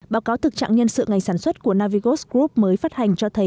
báo cáo thực trạng nhân sự ngành sản xuất của navigos group mới phát hành cho thấy